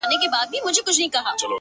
• رنګ په رنګ به یې راوړله دلیلونه,